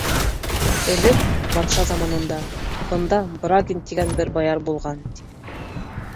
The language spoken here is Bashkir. — Элек, батша заманында, бында Брагин тигән бер баяр булған, ти.